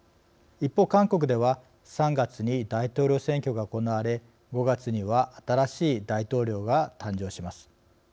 一方、韓国では３月に大統領選挙が行われ５月には新しい大統領が誕生します。